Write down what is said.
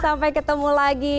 sampai ketemu lagi